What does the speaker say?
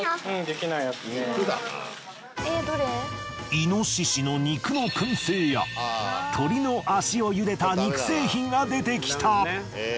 イノシシの肉の燻製や鶏の足を茹でた肉製品が出てきた。